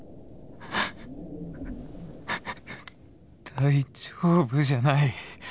大丈夫じゃない。